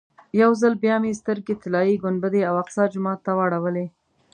یو ځل بیا مې سترګې طلایي ګنبدې او اقصی جومات ته واړولې.